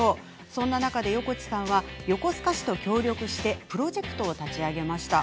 そんな中で横地さんは横須賀市と協力してプロジェクトを立ち上げました。